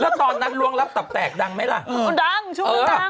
แล้วตอนนั้นล้วงรับตับแตกดังไหมล่ะก็ดังช่วงนี้ดัง